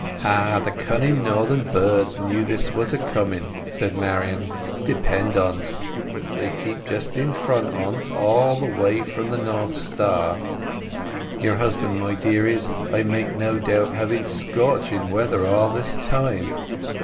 "Ha ha! the cunning northern birds knew this was coming," said Marian. "Depend upon't, they keep just in front o't all the way from the North Star. Your husband, my dear, is, I make no doubt, having scorching weather all this time.